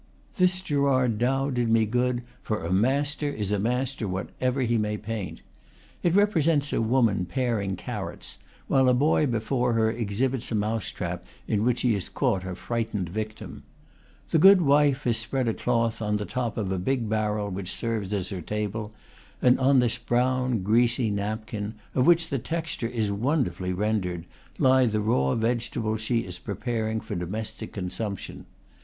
This Gerard Dow did me good; for a master is a master, whatever he may paint. It represents a woman paring carrots, while a boy before her exhibits a mouse trap in which he has caught a frightened victim. The good wife has spread a cloth on the top of a big barrel which serves her as a table, and on this brown, greasy napkin, of which the texture is wonderfully rendered, lie the raw vegetables she is preparing for domestic consumption.